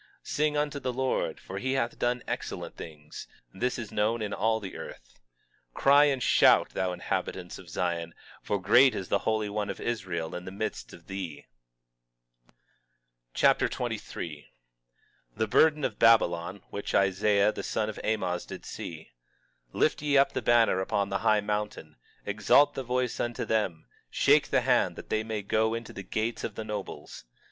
22:5 Sing unto the Lord; for he hath done excellent things; this is known in all the earth. 22:6 Cry out and shout, thou inhabitant of Zion; for great is the Holy One of Israel in the midst of thee. 2 Nephi Chapter 23 23:1 The burden of Babylon, which Isaiah the son of Amoz did see. 23:2 Lift ye up a banner upon the high mountain, exalt the voice unto them, shake the hand, that they may go into the gates of the nobles.